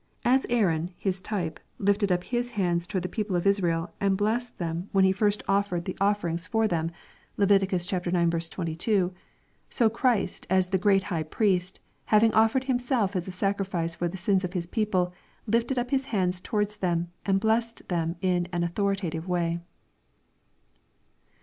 As Aaron, His type, lifted up his hands towar(£ the people of Israel, and blessed them when he first LUKE, CHAP. XXIV. 629 # offered the offerings for them, (Lev. ix. 22,) so Christ as the great High Priest, having offered Himself as a sacrifice for the sins of His people, lifted up His hands towards them and blessed them in an authoritative way."